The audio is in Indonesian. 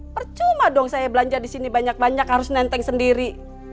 percuma dong saya belanja di sini banyak banyak harus nenteng sendiri